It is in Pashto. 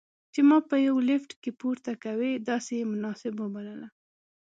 چې ما به په لفټ کې پورته کوي، داسې یې مناسب وبلله.